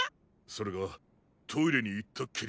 それがトイレにいったっきり。